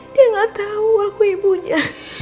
dia gak tahu aku ibunya